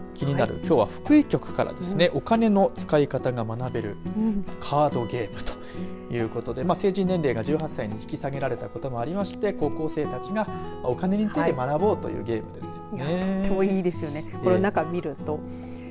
きょうは福井局からお金の使い方が学べるカードゲームということで成人年齢が１８歳に引き下げられたこともあり高校生たちがお金について学ぼうというゲームですね。